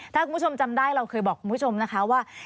ถ้าคุณผู้ชมจำได้เราเคยบอกคุณผู้ชมนะคะว่า